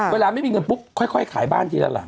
เวลาไม่มีเงินปุ๊บค่อยขายบ้านทีละล่ะ